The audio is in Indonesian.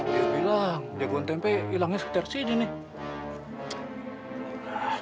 dia bilang dia gun tempe ilangnya sekitar sini nih